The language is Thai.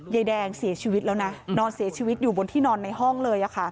ยายแดงเสียชีวิตแล้วนะนอนเสียชีวิตอยู่บนที่นอนในห้องเลย